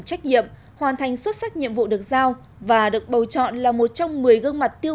trách nhiệm hoàn thành xuất sắc nhiệm vụ được giao và được bầu chọn là một trong một mươi gương mặt tiêu